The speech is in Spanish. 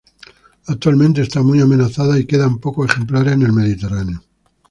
Actualmente está muy amenazada, y quedan pocos ejemplares en el Mediterráneo.